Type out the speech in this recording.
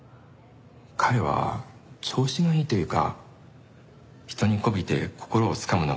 彼は調子がいいというか人に媚びて心をつかむのがうまくて。